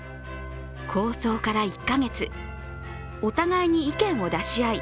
構想から１か月、お互いに意見を出し合い